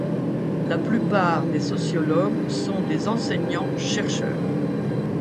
La plupart des sociologues sont des enseignants-chercheurs.